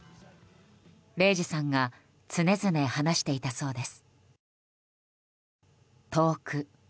零士さんが常々話していたそうです。